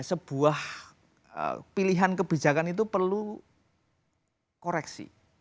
sebuah pilihan kebijakan itu perlu koreksi